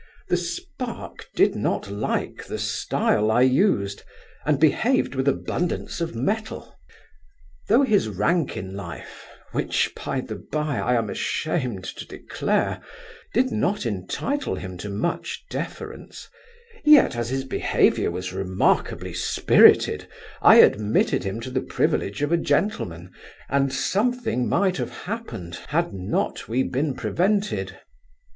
The spark did not like the stile I used, and behaved with abundance of mettle. Though his rank in life (which, by the bye, I am ashamed to declare) did not entitle him to much deference; yet as his behaviour was remarkably spirited, I admitted him to the privilege of a gentleman, and something might have happened, had not we been prevented.